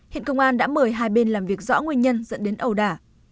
hiện công an đã mời hai bên làm việc rõ nguyên nhân dẫn đến ẩu đả